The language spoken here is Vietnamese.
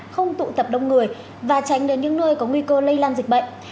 không tụ tập đông người và tránh đến những nơi có nguy cơ lây lan dịch bệnh